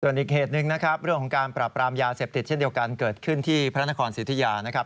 อีกเหตุหนึ่งนะครับเรื่องของการปรับปรามยาเสพติดเช่นเดียวกันเกิดขึ้นที่พระนครสิทธิยานะครับ